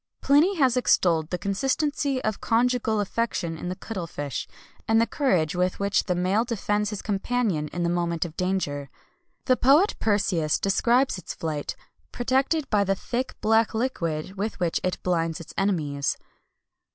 Pliny has extolled the constancy of conjugal affection in the cuttle fish, and the courage with which the male defends his companion in the moment of danger.[XXI 176] The poet Persius describes its flight, protected by the thick, black liquid with which it blinds its enemies.